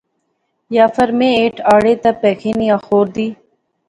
یا فیر میں ہیٹھ آڑے تے پیخی نی آخور دی